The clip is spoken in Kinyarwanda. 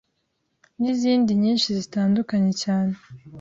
nizindi nyinshi zitandukanye cyane